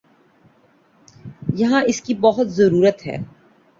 یہاں اس کی بہت ضرورت ہے۔